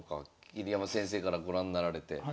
桐山先生からご覧なられて。